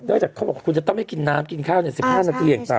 นอกจากเขาบอกว่าคุณจะต้องให้กินน้ำกินข้าว๑๕นาทีเหลี่ยงต่ำ